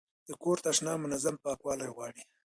د کور تشناب منظم پاکوالی غواړي.